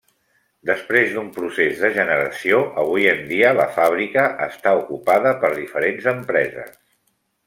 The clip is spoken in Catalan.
Després d'un procés de generació avui en dia la fàbrica està ocupada per diferents empreses.